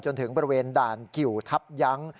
จนถึงบริเวณด่านกิวทับยั้ง